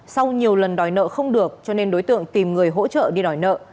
sau nhiều lần đòi nợ không được cho nên đối tượng tìm người hỗ trợ đi đòi nợ